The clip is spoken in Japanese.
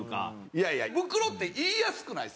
いやいや「ブクロ」って言いやすくないですか？